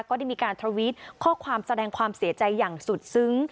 ก็ได้มีการทวิตข้อความแสดงความเสียใจอย่างสุดซึ้ง